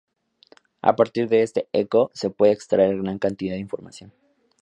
A partir de este "eco" se puede extraer gran cantidad de información.